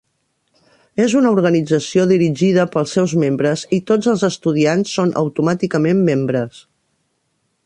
És una organització dirigida pels seus membres i tots els estudiants són automàticament membres.